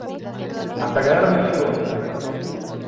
hasta quedarme sin voz.